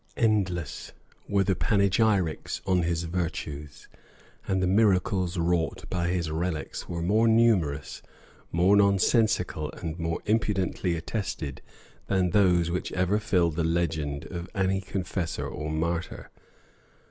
Endless were the panegyrics on his virtues; and the miracles wrought by his relics were more numerous, more nonsensical, and more impudently attested than those which ever filled the legend of any confessor or martyr.